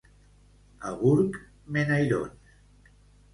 A Burg, menairons.